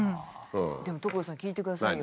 でも所さん聞いてくださいよ。